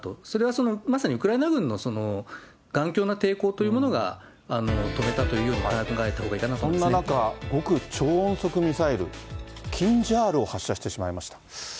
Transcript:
それはまさにウクライナ軍の頑強な抵抗というものが止めたというそんな中、極超音速ミサイル、キンジャールを発射してしまいました。